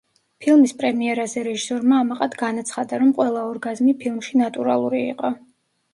ფილმის პრემიერაზე რეჟისორმა ამაყად განაცხადა, რომ ყველა ორგაზმი ფილმში ნატურალური იყო.